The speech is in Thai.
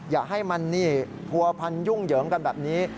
อย่าให้มันทัวร์พันธุ์ยุ่งเหยิงกันแบบนี้